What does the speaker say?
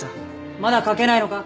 まだ書けないのか？